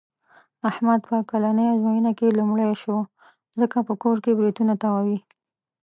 احمد په کلنۍ ازموینه کې لومړی شو. ځکه په کور کې برېتونه تاووي.